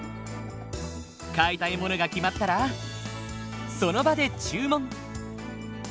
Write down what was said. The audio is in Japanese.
買いたいものが決まったらその場で注文。